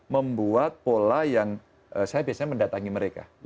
membuat pola yang saya biasanya mendatangi mereka